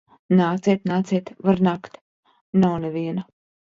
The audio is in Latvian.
Nāciet, nāciet! Var nākt. Nav neviena.